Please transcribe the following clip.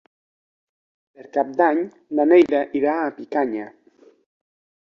Per Cap d'Any na Neida irà a Picanya.